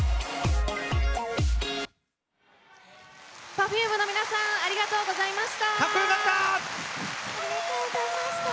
Ｐｅｒｆｕｍｅの皆さんありがとうございました。